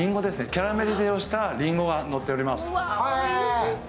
キャラメリゼをしたりんごがのってます。